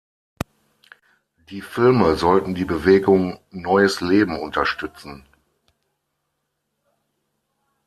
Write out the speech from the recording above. Die Filme sollten die "Bewegung „Neues Leben“" unterstützen.